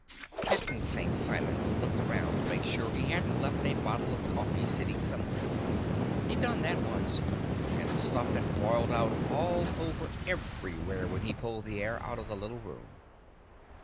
Captain St. Simon looked around to make sure he hadn't left a bottle of coffee sitting somewhere. He'd done that once, and the stuff had boiled out all over everywhere when he pulled the air out of the little room.